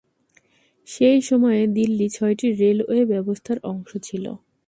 সেই সময়ে দিল্লি ছয়টি রেলওয়ে ব্যবস্থার অংশ ছিল।